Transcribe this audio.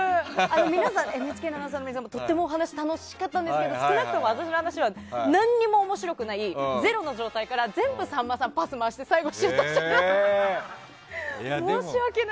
ＮＨＫのアナウンサーの皆さんはとってもお話楽しかったんですけど少なくとも私の話は何も面白くないゼロの状態から全部さんまさんに回して最後シュートしてくれて申し訳ない。